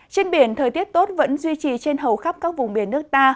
trên biển thời tiết tốt vẫn duy trì trên hầu khắp các vùng biển nước ta